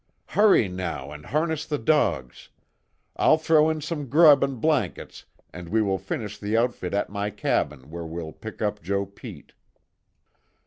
"Hurry, now and harness the dogs. I'll throw in some grub and blankets and we will finish the outfit at my cabin where we'll pick up Joe Pete."